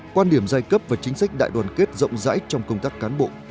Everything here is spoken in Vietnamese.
quan điểm giai cấp và chính sách đại đoàn kết rộng rãi trong công tác cán bộ